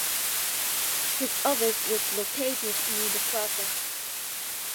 His office was located near the plaza.